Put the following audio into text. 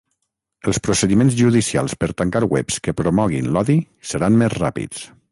Els procediments judicials per tancar webs que promoguin l’odi seran més ràpids.